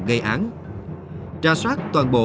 ngây án trả soát toàn bộ